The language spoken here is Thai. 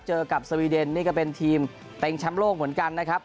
เจอกับสวีเดนนี่ก็เป็นทีมเต็งแชมป์โลกเหมือนกันนะครับ